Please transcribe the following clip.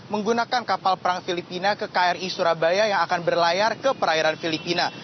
menggunakan kapal perang filipina ke kri surabaya yang akan berlayar ke perairan filipina